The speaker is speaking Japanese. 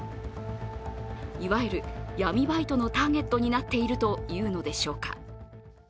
いわゆる闇バイトのターゲットになっているというのでしょうか。